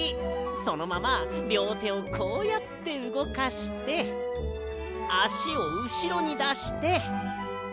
そのままりょうてをこうやってうごかしてあしをうしろにだして。